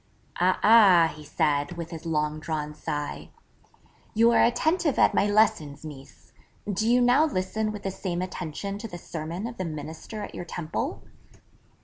'A ah,' he said with his long drawn sigh, 'you are attentive at my lessons, Mees; do you now listen with the same attention to the sermon of the Minister at your Temple?'